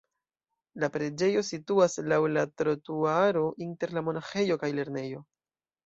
La preĝejo situas laŭ la trotuaro inter la monaĥejo kaj lernejo.